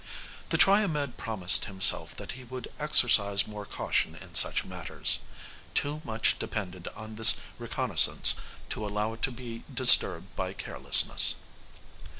The Triomed promised himself that he would exercise more caution in such matters. Too much depended on this reconnaissance to allow it to be disturbed by carelessness.